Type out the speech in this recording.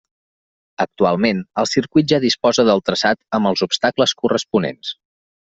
Actualment, el circuit ja disposa del traçat amb els obstacles corresponents.